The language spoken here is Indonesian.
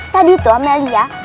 tadi tuh amalia